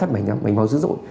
máu không thể lấy ra